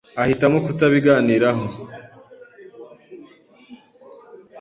Ahitamo kutabiganiraho.